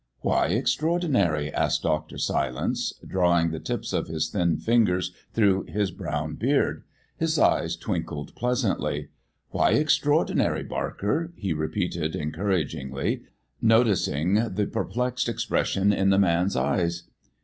"Why 'extraordinary'?" asked Dr. Silence, drawing the tips of his thin fingers through his brown beard. His eyes twinkled pleasantly. "Why 'extraordinary,' Barker?" he repeated encouragingly, noticing the perplexed expression in the man's eyes.